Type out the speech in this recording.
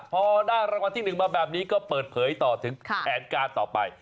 พอได้รางวัลที่๑มาแบบนี้ก็เปิดเผยต่อถึงแผนการต่อไป